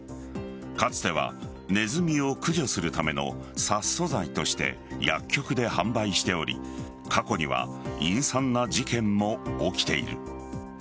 かつてはネズミを駆除するための殺鼠剤として薬局で販売しており過去には陰惨な事件も起きている。